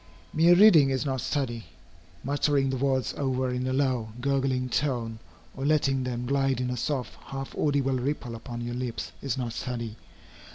Mere reading is not study. Muttering the words over in a low, gurgling tone, or letting them glide in a soft, half audible ripple upon your lips, is not study.